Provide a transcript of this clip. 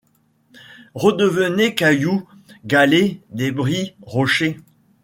Redevenez cailloux, galets, débris, rochers !